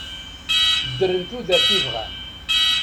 Ddren tudert i bɣan.